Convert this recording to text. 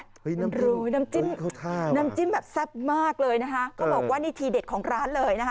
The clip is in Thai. น้ำรู้น้ำจิ้มน้ำจิ้มแบบแซ่บมากเลยนะคะเขาบอกว่านี่ทีเด็ดของร้านเลยนะคะ